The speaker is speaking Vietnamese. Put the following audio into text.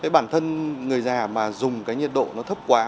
bản thân người già mà dùng cái nhiệt độ nó thấp quá